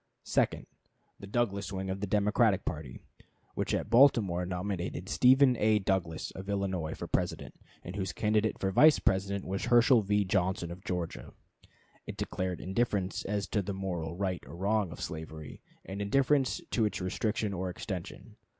Second. The Douglas wing of the Democratic party, which at Baltimore nominated Stephen A. Douglas, of Illinois, for President, and whose candidate for Vice President was Herschel V. Johnson, of Georgia. It declared indifference as to the moral right or wrong of slavery, and indifference to its restriction or extension.